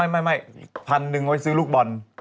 ไม่พันหนึ่งไว้ซื้อลูกบอล